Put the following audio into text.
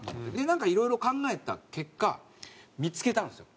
なんかいろいろ考えた結果見付けたんですよ